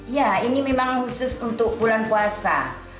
ya ini memang khusus untuk bulan puasa